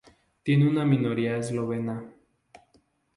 Tiene una minoría eslovena.